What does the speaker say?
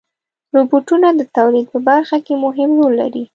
روبوټونه د تولید په برخه کې مهم رول لري.